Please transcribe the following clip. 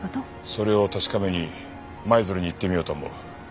それを確かめに舞鶴に行ってみようと思う。